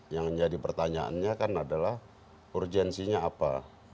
yang jadi pertanyaannya kan adalah urgensinya apa